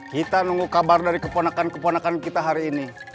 kita nunggu kabar dari keponakan keponakan kita hari ini